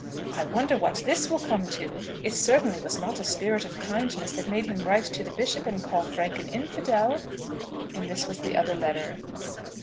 I wonder what this will come to? It certainly was not a spirit of kindness that made him write to the bishop and call Frank an infidel. And this was the other letter.